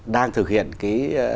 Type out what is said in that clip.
đang thực hiện cái